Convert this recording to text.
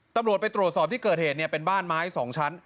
ตำรวจไปตรวจสอบที่เกิดเหตุเนี่ยเป็นบ้านไม้๒ชั้น